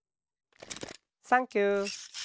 サンキュー。